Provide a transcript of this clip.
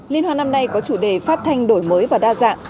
liên hoan năm nay có chủ đề phát thanh đổi mới và đa dạng